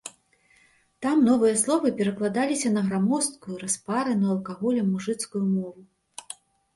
Там новыя словы перакладаліся на грамоздкую, распараную алкаголем мужыцкую мову.